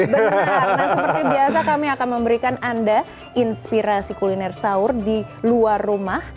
karena seperti biasa kami akan memberikan anda inspirasi kuliner sahur di luar rumah